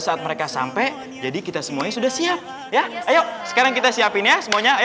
saat mereka sampai jadi kita semuanya sudah siap ya ayo sekarang kita siapin ya semuanya